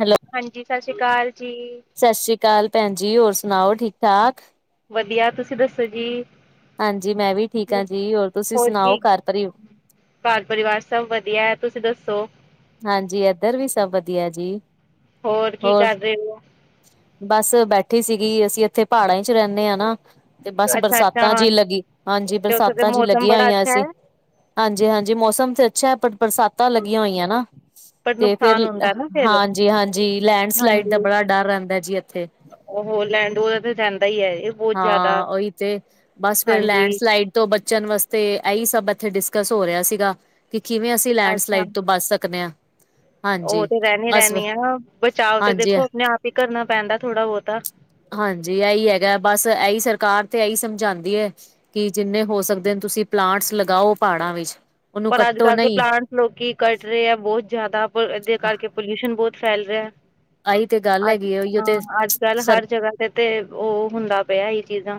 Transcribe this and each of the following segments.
Hello ਹਾਂਜੀ ਸਤਿ ਸ਼੍ਰੀ ਅਕਾਲ ਜੀ ਸਤਿ ਸ੍ਰੀ ਅਕਾਲ ਭੈਣ ਜੀ ਹੋਰ ਸੁਣਾਓ ਠੀਕ ਠਾਕ ਵਧੀਆ, ਤੁਸੀਂ ਦੱਸੋ ਜੀ ਹਾਂਜੀ ਮੈਂ ਵੀ ਠੀਕ ਹਾਂ ਜੀ ਹੋਰ ਤੁਸੀਂ ਸੁਣਾਓ ਘਰ ਪਰੀ ਘਰ ਪਰਿਵਾਰ ਸਭ ਵਧੀਆ ਹੈ ਤੁਸੀਂ ਦੱਸੋ ਹਾਂਜੀ ਏਧਰ ਵੀ ਸਭ ਵਧੀਆ ਜੀ ਹੋਰ ਕੀ ਕਰ ਰਹੇ ਹੋ ਬਸ ਬੈਠੀ ਸੀਗੀ, ਅਸੀਂ ਇੱਥੇ ਪਹਾੜਾਂ ਇਚ ਰਹਿੰਦੇ ਹਾਂ ਨਾ ਤੇ ਬਸ ਅੱਛਾ ਅੱਛਾ ਬਰਸਾਤਾਂ ਚ ਤੇ ਲੱਗੀ, ਹਾਂਜੀ ਉੱਥੇ ਤੇ ਬਰਸਾਤਾਂ ਚ ਲੱਗ ਮੌਸਮ ਬੜਾ ਹੋਈਆਂ ਅੱਛਾ ਸੀਂ ਹੈ ਹਾਂਜੀ ਹਾਂਜੀ ਮੌਸਮ ਤੇ ਅੱਛਾ ਹੈ ਪਰ, ਬਰਸਾਤਾਂ ਲੱਗੀਆਂ ਹੋਈਆਂ ਨਾ। ਪਰ ਤੇ ਨੁਕਸਾਨ ਫੇਰ ਹੁੰਦਾ ਨਾ ਫੇਰ ਹਾਂਜੀ ਹਾਂਜੀ ਲੈਂਡਸਲਾਈਡ ਹਾਂਜੀ ਦਾ ਬੜਾ ਡਰ ਰਹਿੰਦਾ ਜੀ ਇੱਥੇ ਉਹ ਲੈਂਡ ਉਹਦਾ ਤੇ ਰਹਿੰਦਾ ਹੀ ਹੈ ਇਹ ਬਹੁਤ ਜ਼ਿਆਦਾ ਹਾਂ ਉਹੀ ਤੇ, ਬਸ ਫੇਰ ਹਾਂਜੀ ਲੈਂਡਸਲਾਈਡ ਤੋਂ ਬੱਚਣ ਵਾਸਤੇ, ਇਹੀ ਸਭ ਇੱਥੇ ਡਿਸਕਸ ਹੋ ਰਿਹਾ ਸੀਗਾ ਕਿ ਕਿਵੇਂ ਅਸੀਂ ਲੈਂਡ ਅੱਛਾ ਸਲਾਈਡ ਤੋਂ ਬਚ ਸਕ [unintelligible] ਸਕਦੇ ਹਾਂ ਉਹ ਤੇ ਰਹਿਣੀ ਬਸ ਰਹਿਣੀ ਆ ਨਾ, ਬਚਾਓ ਤੇ ਹਾਂਜੀ ਦੇਖੋ ਆਪਣੇ ਆਪ ਹੀ ਕਰਨਾ ਪੈਂਦਾ ਥੋੜਾ ਬਹੁਤਾ। ਹਾਂਜੀ, ਇਹੀ ਹੈਗਾ ਬਸ ਇਹੀ ਸਰਕਾਰ ਤੇ ਇਹੀ ਸਮਝਾਉਂਦੀ ਹੈ ਕਿ ਜਿੰਨੇ ਹੋ ਸਕਦੇ ਨੇ ਤੁਸੀਂ ਪਲਾਂਟਸ ਲਗਾਓ ਪਹਾੜਾਂ ਵਿੱਚ, ਉਹਨੂੰ ਪਰ ਅੱਜ ਕੱਟੋ ਕੱਲ੍ਹ ਦੇ ਨਹੀਂ। ਪਲਾਂਟ ਲੋਕੀ ਕੱਟ ਰਹੇ ਆ ਬਹੁਤ ਜ਼ਿਆਦਾ, ਪਰ ਇਹਦੇ ਕਰਕੇ ਪੋਲਿਊਸ਼ਨ ਬਹੁਤ ਫੈਲ ਰਿਹਾ। ਆਹੀ ਤੇ ਗੱਲ ਅਜ ਹੈਗੀ ਉਹੀ ਤੇ ਹਾਂ, ਅੱਜ ਕੱਲ ਸਰ ਹਰ ਜਗ੍ਹਾ ਤੇ ਤੇ ਉਹ ਹੁੰਦਾ ਪਿਆ ਇਹ ਚੀਜ਼ਾਂ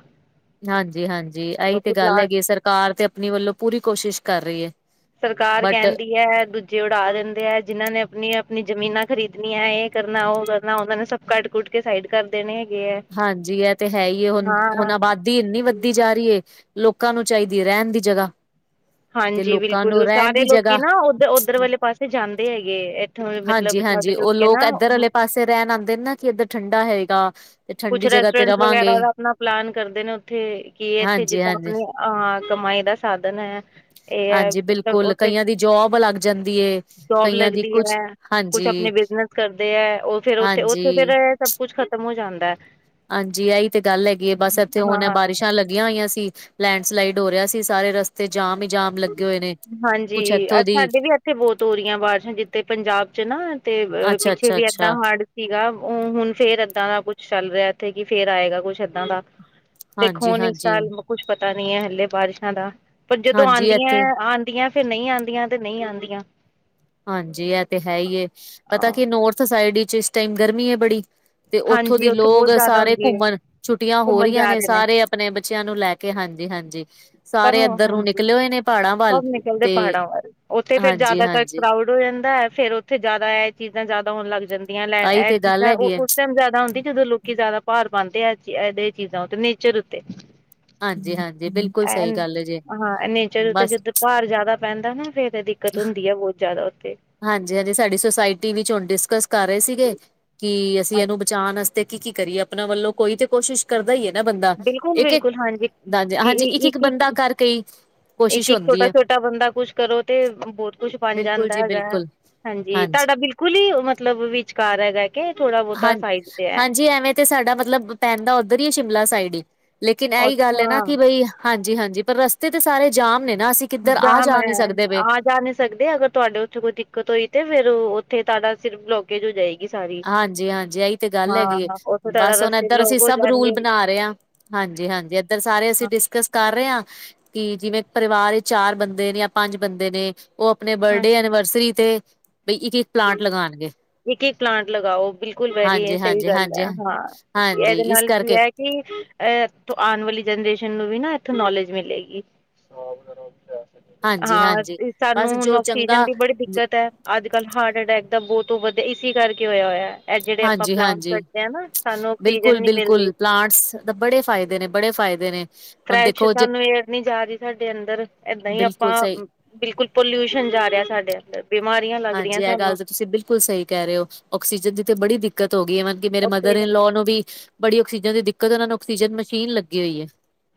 ਹਾਂਜੀ ਹਾਂਜੀ ਆਹੀ ਤੇ ਲੋਕੀ ਗੱਲ ਪਲਾਂਟ ਹੈਗੀ, ਸਰਕਾਰ ਤੇ ਆਪਣੀ ਵੱਲੋਂ ਪੂਰੀ ਕੋਸ਼ਿਸ਼ ਕਰ ਰਹੀ ਹੈ। ਸਰਕਾਰ ਬਟ ਕਹਿੰਦੀ ਹੈ ਦੂਜੇ ਜੇ ਉਡਾ ਦਿੰਦੇ ਹੈ ਜਿਹਨਾਂ ਨੇ ਆਪਣੀ ਆਪਣੀ ਜਮੀਨਾਂ ਖਰੀਦਣੀਆਂ ਇਹ ਕਰਨਾ ਉਹ ਕਰਨਾ, ਉਹਨਾਂ ਨੇ ਸਭ ਕੱਟ ਕੁਟ ਕੇ ਸਾਈਡ ਕਰ ਦੇਣੇ ਹੈਗੇ ਹੈ। ਹਾਂਜੀ ਇਹ ਤੇ ਹੈ ਹੀ ਹੁਣ [unintelligible] ਹਾਂ ਆਬਾਦੀ ਇੰਨੀ ਵੱਧਦੀ ਜਾ ਰਹੀ ਹੈ, ਲੋਕਾਂ ਨੂੰ ਚਾਹੀਦੀ ਰਹਿਣ ਦੀ ਜਗ੍ਹਾ। ਜੇ ਹਾਂਜੀ ਲੋਕਾਂ ਨੂੰ ਬਿਲਕੁਲ, ਰਹਿਣ ਸਾਰੇ ਦੀ ਲੋਕੀ ਜਗ੍ਹਾ ਨਾ ਉੱਧਰ ਉੱਧਰ ਵਾਲੇ ਪਾਸੇ ਜਾਂਦੇ ਹੈਗੇ ਇੱਥੋਂ ਮਤਲਬ ਹਾਂਜੀ ਹਾਂਜੀ ਉਹ ਕੇ ਲੋਕ ਨਾ ਇੱਧਰ ਆਲੇ ਪਾਸੇ ਰਹਿਣ ਆਉਂਦੇ ਨਾ ਕਿ ਇੱਧਰ ਠੰਡਾ ਹੈਗਾ ਤੇ ਕੁਛ ਠੰਡੀ ਜਗ੍ਹਾ ਤੇ ਰੈਸਟੋਰੈਂਟ ਰਵਾਂਗੇ ਵਗੈਰਾ ਦਾ ਆਪਣਾ ਪਲਾਨ ਕਰਦੇ ਨੇ ਉੱਥੇ, ਕਿ ਇੱਥੇ ਹਾਂਜੀ ਜਿੱਦਾਂ ਹਾਂਜੀ ਆਪਣੇ ਹਾਂ ਕਮਾਈ ਦਾ ਸਾਧਨ ਹੈ ਇਹ ਹੈ ਹਾਂਜੀ ਮਤਲਬ ਬਿਲਕੁਲ ਉੱਥੇ ਕਈਆਂ ਦੀ ਜੋਬ ਲੱਗ ਜਾਂਦੀ ਏ ਜੋੌਬ ਕਈਆਂ ਦੀ ਲੱਗਦੀ ਕੁਛ ਹੈ ਕੁਛ ਹਾਂਜੀ ਆਪਣੀ ਬਿਜਨਸ ਕਰਦੇ ਹੈ ਉਹ ਫੇਰ, ਉੱਥੇ ਉੱਥੇ ਫੇਰ ਹਾਂਜੀ ਸਭ ਕੁੱਛ ਖ਼ਤਮ ਹੋ ਜਾਂਦਾ। ਹਾਂਜੀ ਇਹੀ ਤੇ ਗੱਲ ਹੈਗੀ ਹੈ, ਬਸ ਇੱਥੇ ਹਾਂ ਹੁਣ ਬਾਰਿਸ਼ਾਂ ਲੱਗੀਆਂ ਹੋਈਆਂ ਸੀ ਲੈਂਡ ਸਲਾਈਡ ਹੋ ਰਿਹਾ ਸੀ ਸਾਰੇ ਰਸ ਤੇ ਜਾਮ ਹੀ ਜਾਮ, ਲੱਗੇ ਹੋਏ ਨੇ ਹਾਂਜੀ, ਕੁਛ ਇੱਥੋਂ ਅਜ ਦੀ ਸਾਡੇ ਵੀ ਇੱਥੇ ਬਹੁਤ ਹੋ ਰਹੀਆਂ ਬਾਰਿਸ਼ਾਂ ਜਿੱਥੇ ਪੰਜਾਬ ਚ ਨਾ ਤੇ ਅੱਛਾ ਪਿੱਛੇ ਅੱਛਾ ਵੀ ਏਦਾਂ ਅੱਛਾ ਹੜ ਸੀ ਗਾ, ਉਹ ਹੁਣ ਫੇਰ ਏਦਾਂ ਦਾ ਕੁਛ ਚੱਲ ਰਿਹਾ ਇੱਥੇ ਕਿ ਫੇਰ ਆਏਗਾ ਕੁੱਛ ਏਦਾਂ ਦਾ ਦੇਖੋ ਹੁਣ ਇਸ ਹਾਂਜੀ-ਹਾਂਜੀ, ਸਾਲ ਕੁੱਛ ਪਤਾ ਨੀ ਹੈ ਹਲੇ ਬਾਰਿਸ਼ਾਂ ਦਾ। ਪਰ ਹਾਂਜੀ ਜਦੋਂ ਹਾਂਜੀ ਆਉਂਦੀਆਂ ਇੱਥੇ ਆਉਂਦੀਆਂ, ਫੇਰ ਨਹੀਂ ਆਉਂਦੀਆਂ ਤੇ ਨਹੀਂ ਆਉਂਦੀਆਂ। ਹਾਂਜੀ ਇਹ ਤੇ ਹੈ ਹੀ ਹੈ, ਪਤਾ ਕੀ ਨੋੌਰਥ ਸਾਈਡ ਵਿਚ ਇਸ ਟਾਈਮ ਗਰਮੀ ਹੈ ਬੜੀ। ਤੇ ਉੱਥੋਂ ਹਾਂਜੀ ਦੀ ਉੱਥੇ ਲੋਕ ਬਹੁਤ ਜ਼ਿਆਦਾ ਸਾਰੇ ਹੁੰਦੀ ਹੈ ਘੁੰਮਣ, ਛੁੱਟੀਆਂ ਹੋ ਘੁੰਮਣ ਰਹੀਆਂ ਜਾ ਨੇ ਰਹੇ ਸਾਰੇ ਆਪਣੇ ਬੱਚਿਆਂ ਨੂੰ ਲੈ ਕੇ, ਹਾਂਜੀ-ਹਾਂਜੀ। ਪਰ ਸਾਰੇ ਹੁ, ਇੱਧਰ ਨੂੰ ਹਾਂਜੀ ਨਿਕਲੇ ਹੋਏ ਨੇ ਪਹਾੜਾਂ ਵੱਲ ਸਭ ਨਿਕਲਦੇ ਤੇ ਪਹਾੜਾਂ ਵਲ ਉੱਥੇ ਫੇਰ ਜਿਆਦਾਤਰ ਹਾਂਜੀ-ਹਾਂਜੀ ਕਰਾਉਡ ਹੋ ਜਾਂਦਾ ਹੈ ਫੇਰ ਉੱਥੇ ਜਿਆਦਾ ਇਹ ਚੀਜ਼ਾਂ ਜ਼ਿਆਦਾ ਹੋਣ ਲੱਗ ਜਾਂਦੀ। ਆਹੀ ਇਹ ਤੇ ਚੀਜ਼, ਗੱਲ ਜਿੱਦਾਂ ਹੈਗੀ ਹੈ। ਉਹ ਉਸ ਟਾਈਮ ਜਿਆਦਾ ਹੁੰਦੀ ਜਦੋਂ ਲੋਕ ਕਿ ਜ਼ਿਆਦਾ ਭਾਰ ਪਾਂਦੇ ਆ, ਇਹ ਚੀਜ਼ਾਂ ਉਤੇ ਨੇਚਰ ਉੱਤੇ- ਹਾਂਜੀ-ਹਾਂਜੀ ਬਿਲਕੁਲ, ਸਹੀ ਗੱਲ ਹੈ ਜੇ ਹਾਂ ਐਨਾ ਤਾਂ ਬਸ ਜਿੱਦ, ਭਾਰ ਜ਼ਿਆਦਾ ਪੈਂਦਾ ਨਾ ਫੇਰ ਤੇ ਦਿੱਕਤ ਹੁੰਦੀ ਆ ਬਹੁਤ ਜ਼ਿਆਦਾ ਉੱਥੇ, ਹਾਂਜੀ ਹਾਂਜੀ ਸਾਡੀ ਸੁੋਸਾਇਟੀ ਵਿਚ ਹੁਣ ਡਿਸਕਸ ਕਰ ਰਹੇ ਸੀਗੇ ਕਿ ਅਸੀਂ ਇਹਨੂੰ ਬਚਾਉਣ ਤੇ ਕੀ ਕੀ ਕਰੀਏ ਆਪਣਾ ਵੱਲੋਂ ਕੋਈ ਤੇ ਕੋਸ਼ਿਸ਼, ਕਰਦਾ ਹੀ ਹੈ ਨਾ ਬੰਦਾ ਬਿਲਕੁਲ ਇੱਕ ਹ ਬਿਲਕੁਲ ਹਾਂਜੀ ਹਾਂਜੀ ਇੱਕ ਇੱਕ ਬੰਦਾ ਕਰਕੇ ਹੀ, ਇੱਕ ਕੋਸ਼ਿਸ਼ ਇੱਕ ਹੁੰਦੀ ਛੋਟਾ ਹੈ ਛੋਟਾ ਬੰਦਾ ਕੁਛ ਕਰੋ ਤੇ ਬਹੁਤ ਕੁੱਛ ਬਣ ਬਿਲਕੁਲ ਜਾਂਦਾ ਜੀ ਹੈਗਾ। ਬਿਲਕੁਲ ਹਾਂਜੀ ਤੁਹਾਡਾ ਬਿਲਕੁਲ ਹੀ ਮਤਲਬ ਵਿਚਕਾਰ ਹੈਗਾ ਕਿ ਥੋੜਾ ਬਹੁਤਾ ਹਾਂ ਸਾਈਡ ਤੇ ਹੈ, ਹਾਂਜੀ ਐਵੇਂ ਤੇ ਸਾਡਾ ਮਤਲਬ ਪੈਂਦਾ ਉੱਧਰ ਹੀ ਹੈ ਸ਼ਿਮਲਾ ਸਾਈਡ ਹੀ ਲੇਕਿਨ ਇਹੀ ਗੱਲ ਹੈ ਨਾ ਅੱਛਾ ਕਿ ਬਈ, ਹਾਂਜੀ ਹਾਂਜੀ ਪਰ ਰਸਤੇ ਤੇ ਸਾਰੇ ਜਾਮ ਨੇ ਨਾ ਅਸੀਂ, ਕਿੱਧਰ ਜਾ ਆ ਹੈ ਨਹੀਂ ਸਕਦੇ ਪਏ ਆ ਜਾਣੇ, ਸਕਦੇ ਅਗਰ ਤੁਹਾਡੇ ਉੱਥੇ ਕੋਈ ਦਿੱਕਤ ਹੋਈ ਤੇ ਫੇਰ ਉੱਥੇ ਤੁਹਾਡਾ ਸਿਰਫ ਹੋ ਜਾਏਗੀ ਸਾਰੀ ਹਾਂਜੀ ਹਾਂਜੀ ਇਹੀ ਤੇ ਗੱਲ ਹੈਗੀ ਹੈ ਹਾਂ ਉੱਥੇ ਤੁਹਾਡਾ ਬਸ ਉਹ ਰਸਤੇ ਏਧਰ ਅਸੀਂ ਬਲੋਕ ਹੋ ਸਭ ਰੂਲ ਜਾਣਗੇ ਬਣਾ ਰਹੇ ਹਾਂ। ਹਾਂਜੀ ਹਾਂਜੀ ਏਧਰ ਸਾਰੇ ਅਸੀਂ ਡਿਸਕਸ ਕਰ ਰਹੇ ਹਾਂ। ਕਿ ਜਿਵੇਂ ਪਰਿਵਾਰ ਚਾਰ ਬੰਦੇ ਨੇ ਜਾਂ ਪੰਜ ਬੰਦੇ ਨੇ, ਉਹ ਆਪਣੇ ਹਾਂ ਬਰਡੇ ਐਨੀਵਰਸਰੀ ਤੇ ਬਈ ਇੱਕ ਇੱਕ ਪਲਾਂਟ ਲਗਾਉਣਗੇ। ਇੱਕ ਇੱਕ ਪਲਾਂਟ ਲਗਾਓ, ਬਿਲਕੁਲ ਵੈਰੀ ਸਹੀ ਹਾਂਜੀ-ਹਾਂਜੀ। ਗੱਲ ਹੈ ਹਾਂ ਹਾਂਜੀ-ਹਾਂਜੀ ਇਹਦੇ ਇਸ ਨਾਲ ਕੀ ਕਰਕੇ ਹੈ। ਅ ਆਉਣ ਵਾਲੀ ਜਨਰੇਸ਼ਨ ਨੂੰ ਵੀ ਨਾ ਇੱਥੋਂ ਨੌਲੇਜ ਮਿਲੇਗੀ। [unintelligible] ਹਾਂ ਹਾਂਜੀ-ਹਾਂਜੀ ਤੇ ਸਾਨੂੰ ਬਸ ਹੁਣ ਜੋ ਆਕਸੀਜਨ ਚੰਗਾ ਦੀ ਬੜੀ ਦਿੱਕਤ ਹੈ, ਅੱਜ ਕੱਲ੍ਹ ਹਾਰਟ ਅਟੈਕ ਦਾ ਬਹੁਤ ਵਧੀਆ ਇਸ ਕਰਕੇ ਹੋਇਆ ਹੋਇਆ। ਜਿਹੜੇ ਆਪਾਂ ਪਲਾਂਟ ਹਾਂਜੀ-ਹਾਂਜੀ। ਕੱਢਦੇ ਹ ਨਾ ਸਾਨੂੰ ਆਕਸੀਜਨ ਨੀ ਮਿਲਦੀ। ਬਿਲਕੁਲ-ਬਿਲਕੁਲ ਪਲਾਂਟਸ ਬੜੇ ਫਾਇਦੇ ਨੇ ਬੜੇ ਫਾਇਦੇ ਨੇ, ਹੁਣ ਫਰੈਸ਼ ਦੇਖੋ ਜੇ ਸਾਨੂੰ ਏਰ ਨੀ ਜਾ ਰਹੀ ਸਾਡੇ ਅੰਦਰ ਏਦਾਂ ਹੀ ਆਪਾਂ ਬਿਲਕੁਲ ਸਹੀ ਬਿਲਕੁਲ ਪੋਲਿਊਸ਼ਨ ਜਾ ਰਿਹਾ ਸਾਡੇ ਅੰਦਰ ਬਿਮਾਰੀਆਂ ਲੱਗ ਰਹੀਆਂ ਹਾਂਜੀ ਇਹ ਗੱਲ ਸਾਨੂੰ ਤਾਂ ਤੁਸੀਂ ਬਿਲਕੁਲ ਸਹੀ ਕਹਿ ਰਹੇ ਹੋ ਆਕਸੀਜਨ ਦੀ ਤੇ ਬੜੀ ਦਿੱਕਤ ਹੋ ਗਈ ਏਵਨ ਕਿ ਮੇਰੇ ਮਦਰ ਆਕਸੀਜਨ ਇਨਲੋ ਨੂੰ ਵੀ, ਬੜੀ ਆਕਸੀਜਨ ਦੀ ਦਿੱਕਤ ਉਹਨਾਂ ਨੂੰ ਆਕਸੀਜਨ ਮਸ਼ੀਨ ਲੱਗੀ ਹੋਈ ਹੈ।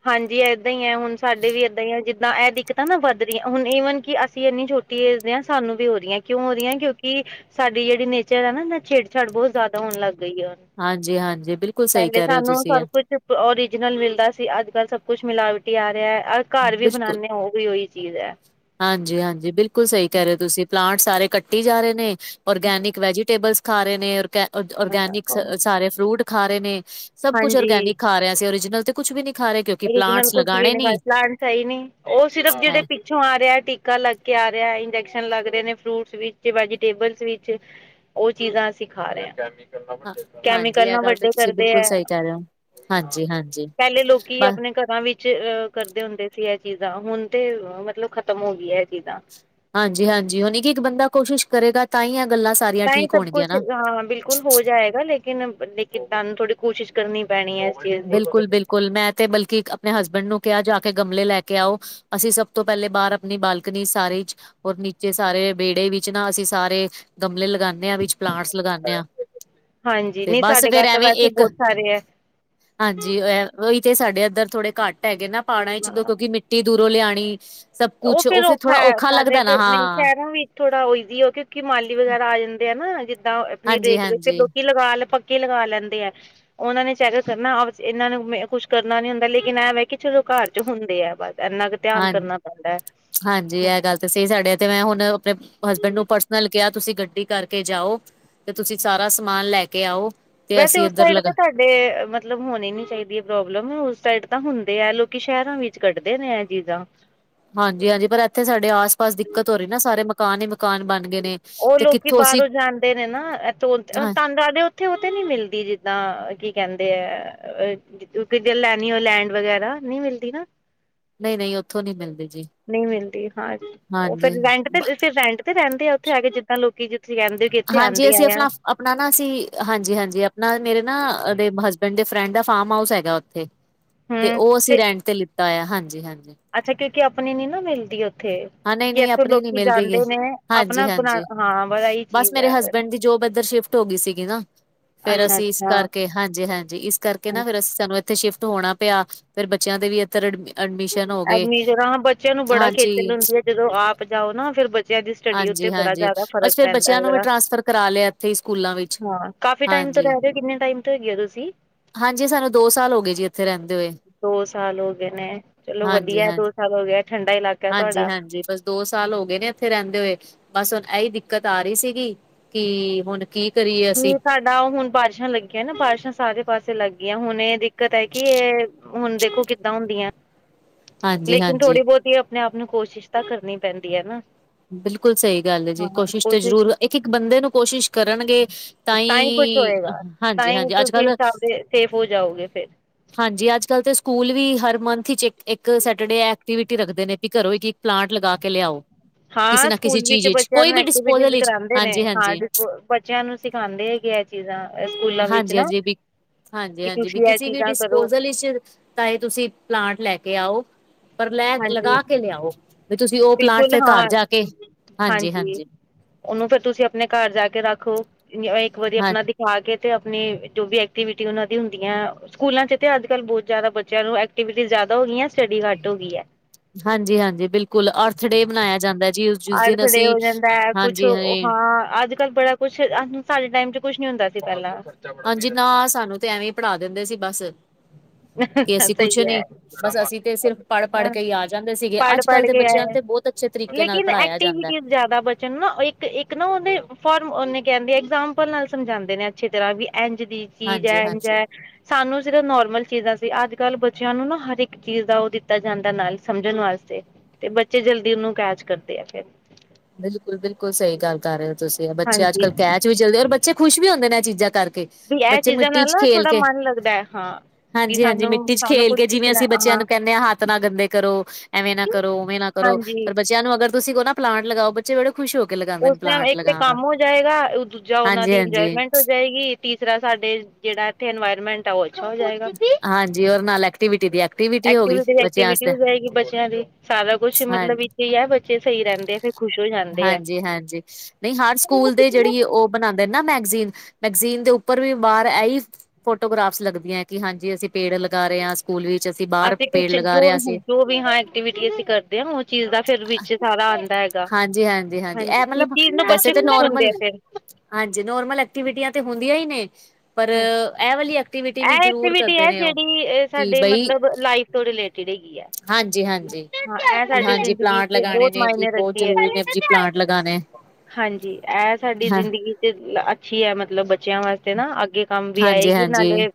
ਹਾਂਜੀ ਇੱਦਾਂ ਹੀ ਹੈ ਹੁਣ ਸਾਡੇ ਵੀ ਇੱਦਾਂ ਹੀ ਹੈ ਜਿੱਦਾਂ ਇਹ ਦਿੱਕਤਾਂ ਨਾ ਵੱਧ ਰਹੀਆਂ ਹੁਣ ਈਵਨ ਕਿ ਅਸੀਂ ਇੰਨੀ ਛੋਟੀ, ਸਾਨੂੰ ਵੀ ਹੋਦੀਆਂ ਕਿਉਂ ਹੋਦੀਆਂ ਕਿਉਂਕਿ ਸਾਡੀ ਜਿਹੜੀ ਨੇਚਰ ਹੈ ਨਾ ਛਿੜ ਛੜ ਬਹੁਤ ਜ਼ਿਆਦਾ ਹੋਣ ਲੱਗ ਗਈ ਆ ਉਹ ਹਾਂਜੀ ਹਾਂਜੀ ਬਿਲਕੁਲ ਸਹੀ ਪਹਿਲੇ ਕਹਿ ਰਹੇ ਹੋ ਸਾਨੂੰ ਤੁਸੀਂ ਸਭ ਇਹ ਕੁਛ ਓਰੀਜਨਲ ਮਿਲਦਾ ਸੀ ਅੱਜ ਕੱਲ੍ਹ ਸਭ ਕੁਛ ਮਿਲਾਵਟੀ ਆ ਰਿਹਾ ਹੈ। ਘਰ ਵੀ ਬਿਲਕੁਲ ਬਣਾਉਦੇ ਉਹ ਵੀ ਉਹੀ ਚੀਜ਼ ਹੈ। ਹਾਂਜੀ ਹਾਂਜੀ ਬਿਲਕੁਲ ਸਹੀ ਕਹਿ ਰਹੇ ਹੋ ਤੁਸੀਂ ਪਲਾਂਟ ਸਾਰੇ ਕੱਟੀ ਜਾ ਰਹੇ ਨੇ ਔਰਗੈਨਿਕ ਵੈਜੀਟੇਬਲਸ ਖਾ ਰਹੇ ਨੇੇ ਔਰਗੈਨਿਕ ਸਾਰੇ ਫਰੂਟ ਖਾ ਰਹੇ ਨੇ ਸਭ ਕੁਛ ਹਾਂਜੀ ਔਰਗੈਨਿਕ ਖਾ ਰਹੇ ਅਸੀਂ ਓਰੀਜਨਲ ਤੇ। ਕੁਛ ਵੀ ਨੀ ਖਾ ਰਹੇ ਕਿਉਂਕਿ ਪਲਾਂਟਸ ਲਗਾਉਣੇ ਨੀ। ਸਹੀ ਨੀ ਉਹ ਸਿਰਫ ਹੈ ਜਿਹੜੇ। ਪਿੱਛੋਂ ਆ ਰਿਹਾ ਟੀਕਾ ਲੱਗ ਕੇ ਆ ਰਿਹਾ ਇੰਜੈਕਸ਼ਨ ਲੱਗ ਰਹੇ ਨੇ ਫਰੂਟਸ ਵਿੱਚ ਵੈਜੀਟੇਬਲਸ ਵਿੱਚ ਉਹ ਚੀਜ਼ਾਂ ਅਸੀਂ ਖਾ ਰਹੇ ਹਾਂ, ਹਾਂ, ਹਾਂਜੀ ਕੈਮੀਕਲ ਇਹ ਨਾ ਗੱਲ ਤਾਂ ਵੱਡੇ ਤੁਸੀਂ ਕਰਦੇ ਬਿਲਕੁਲ ਹੈ ਸਹੀ ਕਹਿ ਰਹੇ ਹੋ ਹਾਂਜੀ ਹਾਂਜੀ ਪਹਿਲੇ ਲੋਕੀ, ਬਸ ਆਪਣੇ ਘਰਾਂ ਵਿੱਚ ਅਹ ਕਰਦੇ ਹੁੰਦੇ ਸੀ ਇਹ ਚੀਜ਼ਾਂ ਹੁਣ ਤੇ ਮਤਲਬ ਖਤਮ ਹੋ ਗਈਆਂ ਇਹ ਚੀਜ਼ਾਂ, ਹਾਂਜੀ ਹਾਂਜੀ ਹੁਣ ਕਿ ਇੱਕ ਬੰਦਾ ਕੋਸ਼ਿਸ਼ ਕਰੇਗਾ ਤਾਂ ਹੀ ਇਹ ਗੱਲਾਂ ਸਾਰੀ ਤਾਂ ਹੀ ਸਭ ਕੁਛ ਹਾਂ ਬਿਲਕੁਲ ਹੋ ਜਾਏਗਾ ਲੇਕ ਲ ਲੇਕਿ ਤੁਹਾਨੂੰ ਥੋੜੀ ਕੋਸ਼ਿਸ਼ ਕਰਨੀ ਪੈਣੀ ਹੈ। ਚੀਜ਼ ਦੀ ਬਿਲਕੁਲ ਬਿਲਕੁਲ ਮੈਂ ਤੇ ਬਲਕਿ ਆਪਣੇ ਹਸਬੈਂਡ ਨੂੰ ਕਿਹਾ ਜਾ ਕੇ ਗਮਲੇ ਲੈ ਕੇ ਆਓ। ਅਸੀਂ ਸਭ ਤੋਂ ਪਹਿਲੇ ਬਾਹਰ ਆਪਣੀ ਬਾਲਕਨੀ ਸਾਰੇ, ਰ ਨੀਚੇ ਸਾਰੇ ਵਿਹੜੇ ਵਿੱਚ ਨਾ ਅਸੀਂ ਸਾਰੇ ਗਮਲੇ ਲਗਾਦੇ। ਵਿੱਚ ਪਲਾਂਟਸ ਲਗਾਉਂਦੇ ਹਾਂ ਹਾਂਜੀ ਤੇ ਨਹੀਂ ਬਸ ਸਾਡੇ ਫੇਰ ਘਰ ਤਾਂ ਐਵੇਂ ਵੈਸੇ ਇੱਕ। ਬਹੁਤ ਸਾਰੇ ਹੈ। ਹਾਂਜੀ ਏ ਉਹੀ ਤੇ ਸਾਡੇ ਏਧਰ ਥੋੜੇ ਘੱਟ ਹੈਗੇ ਨਾ ਪਾੜਾ ਚ ਕਿਉਂਕਿ ਮਿੱ। ਟੀ ਦੂਰੋਂ ਲਿਆਣੀ। ਸਭ ਕੁਛ ਉਹ ਫਿਰ ਫੇਰ ਥੋੜਾ ਹੈ ਔਖਾ ਸਾਡੇ ਲੱਗਦਾਏ ਨਾ ਤੇ ਨਹੀਂ ਹਾਂ। ਸ਼ਹਿਰਾਂ ਵਿੱਚ ਥੋੜਾ ਓ ਈਜ਼ੀ ਉਹ ਕਿਉਂਕਿ ਮਾਲੀ ਵਗੈਰਾ ਆ ਜਾਂਦੇ ਆ ਨਾ, ਜਿੱਦਾਂ ਆਪਣੀ ਦੇੇਖ ਦੇਖ ਹਾਂਜੀ-ਹਾਂਜੀ ਲੋਕੀ ਲਗਾ ਲ ਪਕ ਕੇ ਲਗਾ ਲੈਂਦੇ ਐ। ਉਹਨਾਂ ਨੇ ਚੈਕ ਕਰਨਾ [unintelligible] ਏਨਾਂ ਨੂੰ ਮ ਕੁੱਛ ਕਰਨਾ ਨੀ ਹੁੰਦਾ ਲੇਕਿਨ ਇਹ ਵੇ ਕਿ ਚਲੋ ਘਰ ਚ ਹੁੰਦੇ ਆ ਬਸ ਏਨਾ ਕ। ਧਿਆਨ ਹਾਂ ਕਰਨਾ ਪੈਂਦਾ ਐ। ਹਾਂਜੀ ਏਹ ਗੱਲ ਤੇ ਸਈ ਸਾਡੇ ਏਥੇ ਮੈਂ ਹੁਨ ਆਪਨੇ। ਹਸਬੈਂਡ ਨੂੰ ਪਰਸਨਲ ਕਿਹਾ ਤੁਸੀਂ ਗੱਡੀ ਕਰਕੇ ਜਾਓ ਤੇ ਤੁਸੀਂ ਸਾਰਾ ਸਮਾਨ ਲੈ ਕੇ ਆਓ। ਤੇ ਵੈਸੇ ਅਸੀਂ ਉਸ ਇੱਧਰ ਸਾਈਡ ਲਗਾ ਤੇ ਤਾਡ। ਵੇ ਮਤਲਬ ਹੋਨੀ ਨੀ ਚਾਹੀਦੀ ਐ ਪ੍ਰੋਬਲਮ ਉਸ ਸਾਈਡ ਤਾਂ ਹੁੰਦੇ ਐ ਲੋਕੀ ਸ਼ਹਿਰਾਂ ਵਿੱ। ਕੱਢਦੇ ਨੇ ਇਹ ਚੀਜ਼ਾਂ। ਹਾਂਜੀ-ਹਾਂਜੀ ਪਰ ਇੱਥੇ ਸਾਡੇ ਆਸ ਪਾਸ ਦਿੱਕਤ ਹੋ ਰੀ ਨਾ ਸਾਰੇ ਮਕਾਨ ਹੀ ਮਕਾਨ ਬਨ। ਉਹ ਲੋਕੀ ਬਾਰੋਂ ਜਾਂਦੇ ਨੇ ਨਾ ਹਾਂ [unintelligible] ਤੰਗ ਆ ਉਥ ਥੇ ਉਹ ਤੇ ਨੀ ਮਿਲਦੀ ਜਿੱਦਾਂ ਅ ਕੀ ਕਹਿੰਦੇ ਏ ਅ। [unintelligible] ਲੈਨੀ ਹੋਏ ਲੈਂਡ ਵਗੈਰਾ ਨੀ ਮਿਲਦੀ ਨਾ। ਨਹੀਂ-ਨਹੀਂ ਉੱਥੋਂ ਨੀ ਮਿਲਦੀ ਜੀ। ਨਈ ਮਿਲਦੀ ਹਾਂ, ਉਹ ਫੇਰ ਹਾਂਜੀ ਰੈਂਟ ਬ ਤੇ ਫੇਰ ਰੈਂਟ ਤੇ ਰੇਂਦੇ ਆ ਉੱਥੇ ਆਕੇ ਜਿੱਦਾਂ ਲੋਕੀ। ਕਹਿੰਦੇ ਕਿ ਇੱਥੇ ਹਾਂਜੀ ਆਉਂਦੇ ਆ ਅਸੀ ਆ ਅਫਲਾਫ। ਆਪਨਾ ਨਾ ਅਸੀ ਹਾਂਜੀ-ਹਾਂਜੀ ਆਪਨਾ ਮੇਰੇ ਨਾ ਓਦੇ ਹਸਬੈਂਡ ਦੇ ਫਰੈਂਡ ਦਾ ਫਾਮ ਹਾਊਸ ਹੈਗਾ ਉੱਥੇ। ਤੇ ਓ ਅਸੀਂ ਰੈਂਟ ਤੇ ਲਿੱਤਾ ਹੋਆ ਹਾਂਜੀ-ਹਾਂਜੀ। ਅੱਛਾ ਕਿਉਂਕਿ ਆਪਨੀ ਨੀ ਨਾ ਮਿਲਦੀ ਓ। ਥੇ ਹਾਂ ਨਹੀਂ ਨਹੀਂ ਕਿਉਕਿ ਆਪਣੀ ਨੀ ਲੋਕੀ ਮਿਲਦੀ ਗ ਜਾਂਦੇ ਨੇ ਆਪਨਾ ਹਾਂਜੀ ਬਨਾ ਹਾਂਜੀ ਹਾਂ ਬੜਾ ਈ ਬਸ ਚੀਜ਼ ਮੇਰੇ ਐ। ਹਸਬੈਂਡ ਦੀ ਜੋਬ ਏਧਰ ਸ਼ਿਫਟ ਹੋਗੀ ਸੀਗੀ ਨਾ। ਫੇਰ ਅੱਛਾ ਅਸੀਂ ਇਸ ਅੱਛਾ ਕਰਕੇ ਹਾਂਜੀ-ਹਾਂਜੀ ਇਸ ਕਰਕੇ ਨਾ ਫੇਰ ਅਸ ਸਾਨੂੰ ਇੱਥੇ ਸ਼ਿਫਟ ਹੋਣਾ ਪਿਆ ਫੇਰ ਬੱਚਿਆਂ ਦੇ ਵੀ ਏਧਰ ਅਡਮ ਅਡਮਿਸ਼ਨ ਹੋ ਗਏ, ਐਡਮਿਸ਼ਨ ਹਾਂ ਬੱਚਿਆਂ ਨੂੰ ਹਨ। [unintelligible] ਹੁੰਦੀ ਐ ਜਦੋਂ ਆਪ ਜਾਓ ਨਾ ਫੇਰ ਬਚ। ਚੇਆਂ ਦੀ ਸਟੱਡੀ ਉੱਤੇ ਬੜਾ ਹਾਂਜੀ-ਹਾਂਜੀ ਜ਼ਾਦਾ ਫ਼ਰਕ ਬਸ ਫਿਰ ਪੈਂਦਾ ਬੱਚਿਆਂ ਨੂੰ ਵੀ ਹੈਗਾ, ਟਰਾਂਸਫਰ ਕਰਾ ਲਿਆ ਇੱਥੇ ਹੀ ਸਕੂਲਾਂ ਵਿੱਚ ਹਾਂ। ਕਾਫੀ ਟਾਈਮ ਤੋਂ ਹਾਂਜੀ, ਰੈ ਰੇ ਓ ਕਿੰਨੇ ਟਾਈਮ ਤੋਂ ਹੈਗੇ ਓ ਤੁਸੀਂ। ਹਾਂਜੀ ਸਾਨੂੰ ਦੋ ਸਾਲ ਹੋ ਗਏ ਜੀ ਇੱਥੇ ਰਹਿੰਦੇ ਹੋਏ ਦੋ ਸਾਲ ਹੋ ਗਏ ਨੇ, ਜ। ਚਲੋ ਵਧੀਆ ਐ ਹਾਂਜੀ-ਹਾਂਜੀ, ਦੋ ਸਾਲ ਹੋ ਗਿਆ ਠੰਡਾ ਇਲਾਕਾ ਤੁਹਾਡਾ। ਹਾਂਜੀ ਬਸ ਦੋ ਸਾਲ ਹੋ ਗਏ ਨੇ। ਥੇ ਰੇਂਦੇ ਹੋਏ ਬਸ ਹੁਨ ਐਈ ਦਿੱਕਤ ਆ ਰੀ ਸੀਗੀ ਕਿ ਹੁਨ। [unintelligible] ਨਾ ਹੁਨ ਬਾਰਿਸ਼ਾਂ ਲੱਗੀਆਂ ਨਾ ਬਾਰਿਸ਼ਾਂ ਸਾਰੇ ਪਾਸੇ ਲੱਗ ਗਈਆਂ ਹੁਨ ਇਹ ਦਿੱਕਤ ਐ ਕਿ ਇਹ ਹੁਣ ਦੇਖੋ ਕਿੱਦਾਂ ਹੁੰਦੀਆਂ। ਲੇਕਿਨ ਹਾਂਜੀ-ਹਾਂਜੀ ਥੋੜ੍ਹੀ ਬਹੁਤੀ ਆਪਣੇ ਆਪ ਨੂੰ ਕੋਸ਼ਿਸ਼ ਤਾਂ ਕਰਨੀ ਪੈਂਦੀ ਐ ਨਾ। ਬਿਲਕੁਲ ਸਈ ਗੱਲ ਏ ਜੀ, ਕੋਸ਼ਿਸ਼ ਤੇ ਜ਼ਰੂਰ, ਇੱਕ-ਇੱਕ ਬੰਦੇ ਨੂੰ ਕੋਸ਼ਿਸ਼ ਕਰਨਗੇ ਤਾਂ ਹੀ ਕੁਛ ਈ, ਹੋਏਗਾ ਤਾਂ ਹੀ ਹਾਂਜੀ-ਹਾਂਜੀ ਤੁਸੀਂ ਅੱਜ-ਕੱਲ। ਸੇਫ ਹੋ ਜਾਓਗੇ ਫਿਰ ਹਾਂਜੀ ਅੱਜ ਕੱਲ ਤੇ ਸਕੂਲ ਵੀ ਹਰ ਮੰਥ ਇਚ ਇੱਕ ਸੈਟਰਡੇ ਐਕਟੀਵਿਟੀ ਰੱਖਦੇ ਨੇ ਵੀ ਘਰੋਂ ਇਕ-ਇਕ। ਪਲਾਂਟ ਲਗਾ ਕੇ ਲਿਆਓ। ਕਿਸੇ ਹਾਂ ਨਾ ਕਿਸੇ ਸਕੂਲ ਵਿੱਚ ਚੀਜ਼ ਬੱਚਿਆਂ ਕੋਈ ਨੂੰ ਵੀ ਡਿਸਪੋਜਲ ਐਕਟੀਵਿਟੀਜ਼ ਵਿੱਚ ਕਰਾਉਂਦੇ ਨੇ ਹਾਂਜੀ-ਹਾਂਜੀ, ਹਾਰਡ। ਬੁ ਬੱਚਿਆਂ ਨੂੰ ਸਿਖਾਂਦੇ ਹੈਗੇ ਇਹ ਚੀਜ਼ਾਂ। ਸਕੂਲਾਂ ਵਿੱਚ ਨਾ ਹਾਂਜੀ-ਹਾਂਜੀ ਵੀ ਕਿ ਹਾਂਜੀ-ਹਾਂਜੀ ਵੀ ਤੁਸੀਂ ਇਹ ਕਿਸੇ ਵੀ ਚੀਜ਼ਾਂ ਕਰੋ ਡਿਸਪੋਜਲ ਇੱਚ। ਤਾਂ ਇਹ ਤੁਸੀਂ ਪਲਾਂਟ ਲੈ ਕੇ ਆਓ। ਪਰ ਲੈ, ਹਾਂਜੀ ਲਗਾ ਕੇ ਲਿਆਓ, ਵੀ ਤੁਸੀਂ ਉਹ ਪਲਾਂਟ ਬਿਲਕੁਲ ਫਿਰ ਘਰ ਜਾ ਕੇ, ਹਾਂਜੀ-ਹਾਂਜੀ। ਓਨੂੰ ਫੇਰ ਤੁਸੀਂ ਆਪਨੇ ਘਰ ਜਾ ਕੇ ਰੱਖੋ ਇੱਕ ਵਾਰੀ ਹਾਂਜੀ ਆਪਨਾ। ਖੁਆ ਕੇ ਤੇ ਆਪਨੀ ਜੋ ਵੀ ਐਕਟੀਵਿਟੀ ਉਨਾਂ ਦੀ ਹੁੰਦੀਆਂ ਅ ਸਕੂਲਾਂ ਚ ਤੇ ਅੱਜ ਕੱਲ ਬੋਤ ਜ਼ਾਦਾ ਬੱਚਿਆਂ ਨੂੰ ਐਕਟੀਵਿਟੀ ਜ਼ਾਦਾ ਹੋ ਗਈਆਂ ਸਟੱਡੀ ਘੱਟ ਹੋ ਗਈ ਐ। ਹਾਂਜੀ-ਹਾਂਜੀ ਬਿਲਕੁਲ ਅਰਥ ਡੇ ਮਨਾਇਆ ਜਾਂਦਾ ਜੀ, ਜੁ ਜਿਸ ਅਰਥ ਦਿਨ ਡੇ ਅਸੀਂ, ਹੋ ਜਾਂਦਾ ਹੈ ਕੁਛ ਹਾਂਜੀ ਹੇਏ। ਹਾਂ ਅੱਜ ਕੱਲ ਬੜਾ ਕੁੱਛ ਆ ਹੁੰ ਸਾਡੇ ਟਾਈਮ ਚ ਕੁਛ ਨੀ ਹੁੰਦਾ ਸੀ ਪਹਿਲਾਂ। ਹਾਂਜੀ, ਨਾ ਸਾਨੂੰ ਤੇ ਐਵੇਂ ਈ ਪੜ੍ਹਾ ਦਿੰਦੇ ਸੀ ਬਸ। ਕਿ ਅਸੀਂ ਕੁਛ ਸਹੀ ਹੈ ਨਈ ਬਸ ਅਸੀਂ ਤੇ ਸਿਰਫ ਪੜ੍ਹ-ਪੜ੍ਹ ਕੇ ਈ ਆ ਜਾਂਦੇ ਸੀਗੇ ਪੜ੍ਹ ਅੱਜ-ਕੱਲ੍ਹ ਪੜ੍ਹ ਦੇ ਬੱਚ ਕੇ ਬੱਚਿਆਂ ਆਏ ਤੇ ਬਹੁਤ ਅੱਛੇ ਤਰੀਕੇ ਨਾਲ ਲੇਕਿਨ ਪੜ੍ਹਾਇਆ ਜਾਂਦਾ। ਐਕਟੀਵਿਟੀਜ਼ ਜ਼ਿਆਦਾ ਬਚਣ ਨੂੰ ਨਾ ਇੱਕ-ਇੱਕ ਨਾ ਉਹਦੇ ਫਾਰਮ ਉਹਨੇ ਕਹਿੰਦੇ ਆ ਐਗਜਾਮਪਲ ਨਾਲ ਸਮਝਾਂਦੇ ਨੇ ਅੱਛੀ ਤਰ੍ਹਾਂ ਵੀ ਇੰਝ ਦੀ ਚੀਜ਼ ਐ ਇੰਝ ਹਾਂਜੀ-ਹਾਂਜੀ ਐ। ਸਾਨੂੰ ਸਿਰਫ ਨੋਰਮਲ ਚੀਜ਼ਾਂ ਸੀ ਅੱਜ-ਕੱਲ੍ਹ ਬੱਚਿਆਂ ਨੂੰ ਨਾ ਹਰ ਇੱਕ ਚੀਜ਼ ਦਾ ਉਹ ਦਿੱਤਾ ਜਾਂਦਾ ਨਾਲ ਸਮਝਣ ਵਾਸਤੇ। ਤੇ ਬੱਚੇ ਜਲਦੀ ਉਹਨੂੰ ਕੈਚ ਕਰਦੇ ਐ ਫਿਰ। ਬਿਲਕੁਲ-ਬਿਲਕੁਲ ਸਹੀ ਗੱਲ ਕਰ ਰਹੇ ਓ ਤੁਸੀਂ ਬੱਚੇ ਹਾਂਜੀ ਅੱਜ-ਕੱਲ੍ਹ ਕੈਚ ਵੀ ਜਲਦੀ ਔਰ ਬੱਚੇ ਖੁਸ਼ ਵੀ ਹੁੰਦੇ ਨੇ ਇਹ ਚੀਜ਼ਾਂ ਕਰਕੇ। ਵੀ ਇਹ ਬੱਚੇ ਚੀਜ਼ਾਂ ਮਿੱਟੀ ਨਾਲ 'ਚ ਨਾ ਖੇਲ ਥੋੜਾ ਕੇ ਮਨ ਲੱਗਦਾ ਹਾਂ। ਵੀ ਹਾਂਜੀ-ਹਾਂਜੀ, ਸਾਨੂੰ ਮਿੱਟੀ ਚ ਸਾਨੂੰ ਖੇਲ ਕੁੱਝ ਕੇ ਜਿਵੇਂ ਸਿੱਖਣਾ ਅਸੀਂ ਬੱਚਿਆਂ ਹਾਂ ਨੂੰ ਕਹਿੰਨੇ ਆ ਹੱਥ ਨਾ ਗੰਦੇ ਕਰੋ ਐਵੇਂ ਨਾ ਕਰੋ ਉਵੇਂ ਨਾ ਕਰੋ ਹਾਂਜੀ ਅਰ ਬੱਚਿਆਂ ਨੂੰ ਅਗਰ ਤੁਸੀਂ ਕੋ ਨਾ ਪਲਾਂਟ ਲਗਾਓ ਬੱ ਚੇ ਬੜੇ ਖੁਸ਼ ਹੋ ਕੇ ਲੱਗਾ ਉਸ ਟੇਮ ਇੱਕ ਤੇ ਕੰਮ ਹੋ ਜਾਏਗਾ ਦੂਜਾ ਉਹਨਾ ਦੀ ਹਾਂਜੀ-ਹਾਂਜੀ, ਹਾਂਜੀ ਇੰਜੋਏਮੈਂਟ ਹੋ ਜਾਏਗੀ। ਤੀਸਰਾ ਸਾਡੇ ਜਿਹੜਾ ਇੱਥੇ ਇਨਵਾਇਰਮੈਂਟ ਉਹ ਅੱਛਾ ਹੋ ਜਾਏਗਾ, ਹਾਂਜੀ, ਔਰ ਨਾਲ ਐਕਟੀਵਿਟੀ ਦੀ ਹੋ ਗਈ ਐਕਟੀਵਿਟੀ ਦੀ ਬੱਚਿਆਂ ਐਕਟੀਵਿਟੀ ਆਸਤੇ ਹੋ ਜਾਏਗੀ ਬੱਚਿਆਂ ਦੀ, ਸਾਰਾ ਕੁੱਛ ਹਾਂ ਮਤਲਬ ਇੱਥੇ ਈ ਐ ਬੱਚੇ ਸਈ ਰਹਿੰਦੇ ਆ ਫੇਰ ਖੁਸ਼ ਹੋ ਜਾਂਦੇ ਐ। ਹਾਂਜੀ, ਨਈ ਹਰ ਸਕੂਲ ਦੇ ਜਿਹੜੀ ਉਹ ਬਣਾਂਦੇ ਨਾ ਮੈਗਜ਼ੀਨ ਮੈਗਜ਼ੀਨ ਦੇ ਉੱਪਰ ਵੀ ਬਾਹਰ ਇਹੀ ਫੋਟੋਗ੍ਰਾਫਸ ਲੱਗਦੀਆਂ ਕਿ ਹਾਂਜੀ ਅਸੀਂ ਪੇੜ ਲਗਾ ਰਹੇ ਆ। ਸਕੂਲ ਵਿੱਚ ਅਸੀਂ ਬਾਹਰ ਪੇੜ ਕੁਛ ਲਗਾ ਜੋ ਰਿਹਾ ਸੀ। ਜੋ ਵੀ ਹਾਂ ਐਕਟੀਵਿਟੀ ਅਸੀਂ ਕਰਦੇ ਆ ਉਹ ਚੀਜ਼ ਦਾ ਫਿਰ ਵਿੱਚ ਸਾਰਾ ਆਂਦਾ ਹ ਹਾਂਜੀ-ਹਾਂਜੀ-ਹਾਂਜੀ, ਇਹ ਮਤਲਬ ਵੈਸੇ ਬੱਚੇ ਤੇ ਖੁਸ਼ ਨੋਰਮਲ। ਹੁੰਦੇ ਆ ਫਿਰ ਹਾਂਜੀ, ਨੋਰਮਲ ਐਕਟੀਵਿਟੀਆਂ ਤੇ ਹੁੰਦੀਆਂ ਈ ਨੇ। ਪਰ ਹਾਂਜੀ ਇਹ ਵਾਲੀ ਐਕਟੀਵਿਟੀ ਵੀ ਇਹ ਜ਼ਰੂਰ ਐਕਟੀਵਿਟੀ ਕਰਦੇ ਹੈ ਨੇ ਉਹ, ਕਿ ਬਈ ਚਿੜੇਗੀ ਐ, ਹਾਂਜੀ-ਹਾਂਜੀ। ਹਾਂ, ਇਹ ਸਾਡੀ ਜ਼ਿੰਦਗੀ ਚ ਬਹੁਤ ਮਾਇਨੇ ਰਖ ਬਹੁਤ ਦੀ ਐ, ਜ਼ਰੂਰੀ ਨੇ ਜੀ ਪਲਾਂਟ ਲਗਾਣੇ ਹਾਂਜੀ ਇਹ ਸਾਡੀ ਹਾਂ ਜ਼ਿੰਦਗੀ ਇਹ ਚੀਜ਼ ਅੱਛੀ ਐ ਮਤਲਬ ਬੱਚਿਆਂ ਵਾਸਤੇ ਨਾ ਅੱਗੇ ਕੰਮ ਵੀ ਆਏਗੀ ਹਾਂਜੀ-ਹਾਂਜੀ, ਨਾਲੇ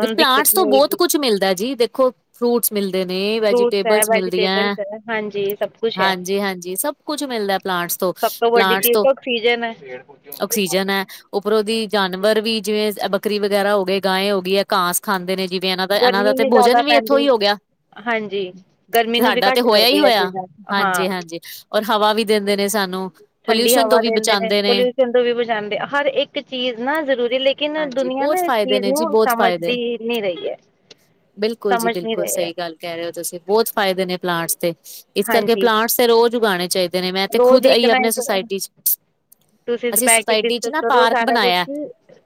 ਵੀ ਨੂੰ ਦਿੱਕਤ ਪਲਾਂਟਸ ਨੀ ਤੋਂ ਬਹੁਤ ਹੋਏਗੀ ਕੁਛ ਮਿਲਦਾ ਜੀ ਦੇਖੋ ਫਰੂਟਸ ਮਿਲਦੇ ਨੇ ਫਰੂਟਸ ਹੈ ਵੈਜੀਟੇਬਲਸ ਮਿਲਦੀਆਂ, ਵੈਜੀਟੇਬਲਸ ਹੈ ਹਾਂਜੀ ਸਭ ਕੁਛ ਹੈ ਹਾਂਜੀ-ਹਾਂਜੀ ਸਭ ਸਭ ਕੁੱਛ ਮਿਲਦਾ ਐ ਪਲਾਂਟਸ ਤੋਂ ਸਭ ਵੱਡੀ ਪਲਾਂਟਸ ਚੀਜ਼ ਤੋਂ, ਤਾਂ ਆਕਸੀਜਨ ਹੈ ਆਕਸੀਜਨ ਐ ਉੱਪਰੋਂ ਦੀ ਜਾਨਵਰ ਵੀ ਜਿਵੇਂ ਬੱਕਰੀ ਵਗੈਰਾ ਹੋ ਗਏ ਗਾਏ ਹੋ ਗਈ। ਘਾਸ ਖਾਂਦੇ ਨੇ ਜਿਵੇਂ ਇਹਨਾਂ ਦਾ ਇਹਨਾਂ ਦਾ ਗਰਮੀ ਤੇ ਨੀ ਭੋਜਨ ਜ਼ਿਆਦਾ ਵੀ ਇੱਥੋਂ ਪੈਂਦੀ ਈ ਹੋ ਗਿਆ। ਹਾਂਜੀ ਗਰਮੀ ਨੂੰ ਵੀ ਸਾਡਾ ਤੇ ਘੱਟ ਹੋਇਆ ਹੀ ਕਰਦੇ ਆ ਇਹ ਹੋਇਆ, ਚੀਜ਼ਾਂ ਹਾਂ ਹਾਂਜੀ-ਹਾਂਜੀ, ਔਰ ਹਵਾ ਵੀ ਦਿੰਦੇ ਨੇ ਸਾਨੂੰ। ਠੰਡੀ ਪੋਲਿਊਸ਼ਨ ਤੋਂ ਹਵਾ ਵੀ ਦਿੰਦੇ ਬਚਾਂਦੇ ਨੇ। ਪੋਲਿਊਸ਼ਨ ਵੀ ਬਜਾਦੇ ਆ ਹਰ ਇੱਕ ਚੀਜ਼ ਨਾ ਜ਼ਰੂਰੀ ਲੇਕਿ ਲੇਕਿਨ ਹਾਂਜੀ ਦੁਨੀਆਂ ਬਹੁਤ ਨਾ ਇਸ ਫਾਇਦੇ ਚੀਜ਼ ਨੇ ਨੂੰ ਜੀ ਬਹੁਤ ਫਾਇਦੇ ਸਮਝਦੀ ਨੀ ਰਹੀ ਐ। ਬਿਲਕੁਲ ਜੀ ਬਿਲਕੁਲ ਸਈ ਗੱਲ ਕਹਿ ਰਹੇ ਓ ਤੁਸੀਂ ਬਹੁਤ ਫ਼ਾਇਦੇ ਨੇ ਪਲਾਂਟਸ ਦੇ। ਇਸ ਕਰਕੇ ਹਾਂਜੀ ਪਲਾਂਟਸ ਤੇ ਰੋਜ਼ ਉਗਾਉਣੇ ਚਾਈਦੇ ਨੇ ਮੈਂ ਤੇ ਰੋਜ਼ ਖੁਦ‌ ਏ ਇੱਕ ਈ ਨਾ ਆਪਣੇ ਇੱਕ ਸੁਸਾਇਟੀ ਚ ਤੁਸੀਂ ਅਸੀਂ ਬਹਿ ਕੇ ਸੁੋਸਾਇਟੀ 'ਚ ਡਿਸਕਸ ਨਾ ਕਰੋ ਪਾਰਕ ਸਾਰਾ ਬਣਾਇਆ, ਕੁਛ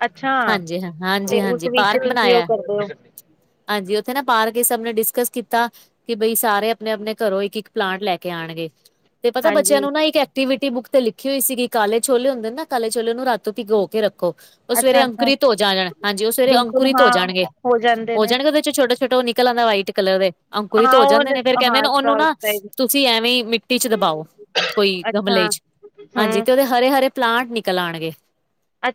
ਅੱਛਾ ਹਾਂਜੀ ਹਾਂ, ਤੇ ਉਸ ਹਾਂਜੀ-ਹਾਂਜੀ, ਵਿੱਚ ਪਾਰਕ ਤੁਸੀਂ ਉਹ ਬਣਾਇਆ। ਕਰਦੇ ਹੋ ਹਾਂਜੀ, ਉੱਥੇ ਨਾ ਪਾਰਕ ਇਸ ਸਭ ਨੇ ਡਿਸਕਸ ਕੀਤਾ। ਕਿ ਬਈ ਸਾਰੇ ਆਪਣੇ-ਆਪਣੇ ਘਰੋਂ ਇੱਕ-ਇੱਕ ਪਲਾਂਟ ਲੈ ਕੇ ਆਣਗੇ। ਤੇ ਪਤਾ ਬੱਚਿਆਂ ਹਾਂਜੀ ਨੂੰ ਨਾ ਇੱਕ ਐਕਟੀਵਿਟੀ ਬੁੱਕ ਤੇ ਲਿਖੀ ਹੋਈ ਸੀਗੀ ਕਾਲੇ ਛੋਲੇ ਹੁੰਦੇ ਨਾ ਕਾਲੇ ਛੋਲੇ ਉਹਨੂੰ ਰਾਤੋ ਪੀ ਗੋ ਕੇ ਰੱਖ ਖੋ, ਉਹ ਸਵੇਰੇ ਅੱਛਾ ਅੱਛਾ ਅੰਕੁਰਿਤ ਹੋ ਜਾ ਜਾਣ ਹਾਂਜੀ ਉਹ ਸਵੇਰੇ ਬਿਲਕੁਲ ਅੰਕੁਰਿਤ ਹੋ ਹਾਂ ਜਾਣਗੇ, ਜਾਂਦੇ ਹੋ ਨੇ ਜਾਣਗੇ ਉਹਦੇ ਚ ਛੋਟਾ-ਛੋਟਾ ਉਹ ਨਿਕਲ ਆਉਂਦਾ ਵਾਈਟ ਕਲਰ ਦੇ। ਅੰਕੁਰਿਤ ਹਾਂ ਹੋ ਉਹ ਜਾਂਦੇ ਨੇ ਫੇਰ ਕਹਿੰਦੇ ਹਾਂ ਨਾ ਉਹਨੂੰ ਸਾਊਥ ਨਾ ਸਾਈਡ ਤੁਸੀਂ ਐਵੇਂ ਈ ਮਿੱਟੀ ਚ ਦਬਾਓ ਕੋਈ ਗਮਲੇ ਅੱਛਾ ਚ। ਹਾਂਜੀ ਹਮ ਤੇ ਉਹਦੇ ਹਰੇ-ਹਰੇ ਪਲਾਂਟ ਨਿਕਲ ਆਣਗੇ।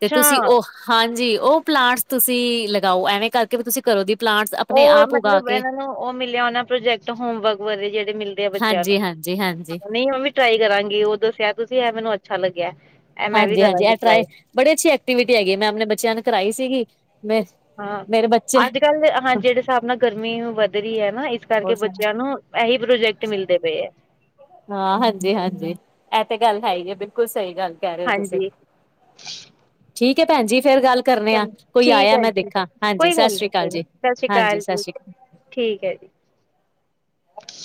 ਤੇ ਤੁਸੀਂ ਉਹ ਹਾਂਜੀ ਉਹ ਪਲਾਂਟਸ ਤੁਸੀਂ ਲਗਾਓ ਐਵੇਂ ਕਰਕੇ ਵੀ ਤੁਸੀਂ ਕਰੋ ਦੀ ਪਲਾਂਟਸ ਆਪਣੇ ਔਹ ਆਪ ਉਗਾ ਮਤਲਬ ਕੇ ਇਹਨਾਂ ਨੂੰ ਉਹ ਮਿਲਿਆ ਹੋਣਾ ਪ੍ਰੋਜੈਕਟ ਹੋਮਵਰਕ ਬਾਰੇ ਜਿਹੜੇ ਮਿਲਦੇ ਆ ਬੱਚਿਆਂ ਨੂੰ। ਹਾਂਜੀ, ਹਾਂਜੀ, ਹਾਂਜੀ। ਹਾਂ ਨਈ ਔਵੀ ਟਰਾਈ ਕਰਾਂਗੀ ਉਹ ਦੱਸਿਆ ਤੁਸੀਂ ਐ ਮੈਨੂੰ ਅੱਛਾ ਲੱਗਿਆ ਐ। ਹਾਂਜੀ-ਹਾਂਜੀ ਇਹ ਟਰਾਏ, ਬੜੀ ਅੱਛੀ ਐਕਟੀਵਿਟੀ ਹੈਗੀ ਏ, ਮੈਂ ਆਪਣੇ ਬੱਚਿਆਂ ਨੂੰ ਕਰਾਈ ਸੀਗੀ ਮੈਂ ਹਾਂ ਮੇਰੇ ਬੱਚੇ ਅੱਜ-ਕੱਲ ਹਾਂ ਜਿਹੜੇ ਹਿਸਾਬ ਨਾਲ ਗਰਮੀ ਵੱਧ ਰਹੀ ਐ ਨਾ ਇਸ ਹੋਰ ਕਰਕੇ ਸੁਣਾ, ਬੱਚਿਆਂ ਨੂੰ ਇਹੀ ਪ੍ਰੋਜੈਕਟ ਮਿਲਦੇ ਪਏ ਐ। ਹਾਂ, ਹਾਂਜੀ-ਹਾਂਜੀ ਇਹ ਤੇ ਗੱਲ ਹੈ ਈ ਐ, ਬਿਲਕੁਲ ਸਈ ਗੱਲ ਕਹਿ ਰਹੇ ਓ ਤੁਸੀਂ। ਹਾਂਜੀ ਠੀਕ ਏ ਭੈਣ ਜੀ ਫੇਰ ਗੱਲ ਕਰਨੇ ਆ। ਚਲੋ ਕੋਈ ਠੀਕ ਆਇਆ ਹੈ ਮੈਂ ਜੀ ਦੇਖਾ, ਹਾਂਜੀ, ਕੋਈ ਸਤਿ ਗੱਲ ਸ੍ਰੀ ਨਹੀਂ ਅਕਾਲ ਕੋਈ ਨੀ। ਜੀ। ਸਤਿ ਸ਼੍ਰੀ ਹਾਂਜੀ ਅਕਾਲ ਸਤਿ ਜੀ ਸ੍ਰੀ ਅਕਾਲ। ਠੀਕ ਹੈ ਜੀ।